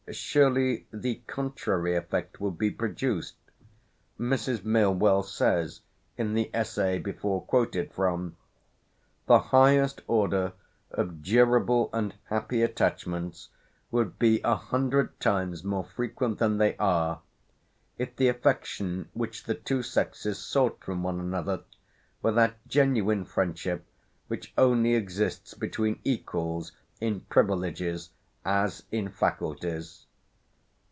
Surely the contrary effect would be produced. Mrs. Mill well says, in the Essay before quoted from: "The highest order of durable and happy attachments would be a hundred times more frequent than they are, if the affection which the two sexes sought from one another were that genuine friendship which only exists between equals in privileges as in faculties."